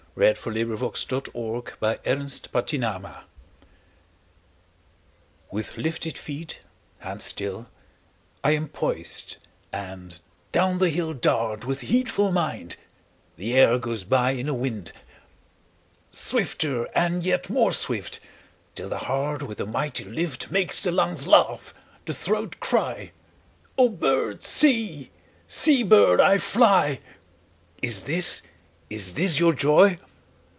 1859–1919 856. Going down Hill on a Bicycle A BOY'S SONG WITH lifted feet, hands still, I am poised, and down the hill Dart, with heedful mind; The air goes by in a wind. Swifter and yet more swift, 5 Till the heart with a mighty lift Makes the lungs laugh, the throat cry:— 'O bird, see; see, bird, I fly. 'Is this, is this your joy?